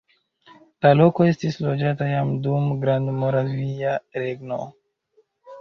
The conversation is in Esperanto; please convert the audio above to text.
La loko estis loĝata jam dum Grandmoravia Regno.